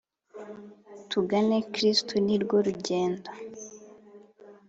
tugane kristu ni rwo rugendo